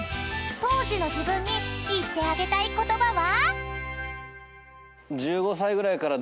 ［当時の自分に言ってあげたい言葉は？］